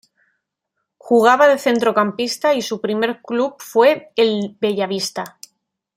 Jugaba de centrocampista y su primer club fue el Bella Vista.